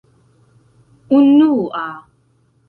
unua